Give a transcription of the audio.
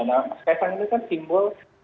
nah mas kaisang ini kan simbol